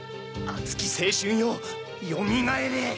熱き青春よよみがえれ！